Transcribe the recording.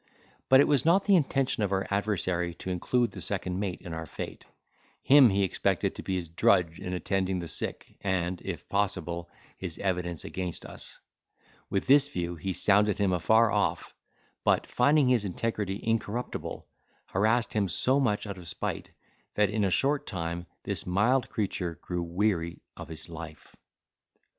But it was not the intention of our adversary to include the second mate in our fate: him he expected to be his drudge in attending the sick and, if possible, his evidence against us: with this view he sounded him afar off, but, finding his integrity incorruptible, harrassed him so much out of spite, that in a short time this mild creature grew weary of his life.